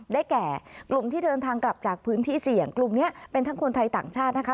แก่กลุ่มที่เดินทางกลับจากพื้นที่เสี่ยงกลุ่มนี้เป็นทั้งคนไทยต่างชาตินะคะ